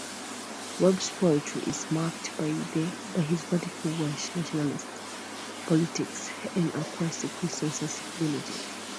Webb's poetry is marked by his radical Welsh nationalist politics and a quasi-Christian sensibility.